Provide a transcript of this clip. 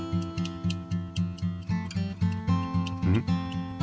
うん？